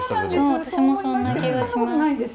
私もそんな気がします。